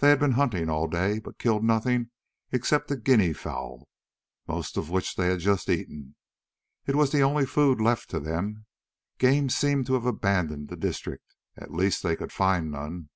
They had been hunting all day, but killed nothing except a guinea fowl, most of which they had just eaten; it was the only food left to them. Game seemed to have abandoned the district—at least they could find none.